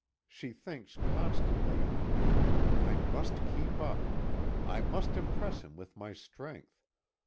She thinks constantly: "I must keep up. I must impress him with my strength.